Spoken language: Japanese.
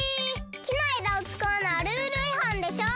きのえだをつかうのはルールいはんでしょ！